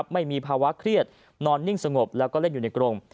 ไม่มีภาวะเครียดนอนนิ่งสงบแล้วก็เล่นอยู่ในกรง